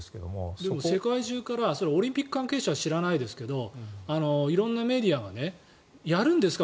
でも世界中からオリンピック関係者は知らないですが色んなメディアがやるんですか？